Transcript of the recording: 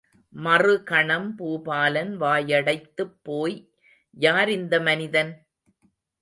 மறுகணம் பூபாலன் வாயடைத்துப் போய் யார் இந்த மனிதன்?